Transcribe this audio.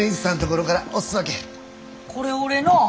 これ俺の！